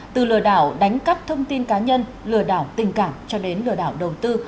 từ lừa đảo đánh cắp thông tin cá nhân lừa đảo tình cảm cho đến lừa đảo đầu tư